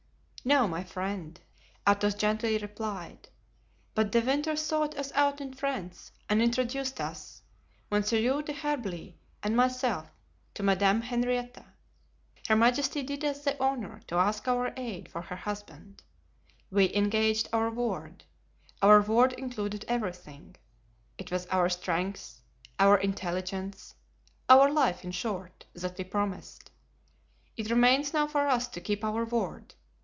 "No, my friend," Athos gently replied, "but De Winter sought us out in France and introduced us, Monsieur d'Herblay and myself, to Madame Henrietta. Her majesty did us the honor to ask our aid for her husband. We engaged our word; our word included everything. It was our strength, our intelligence, our life, in short, that we promised. It remains now for us to keep our word.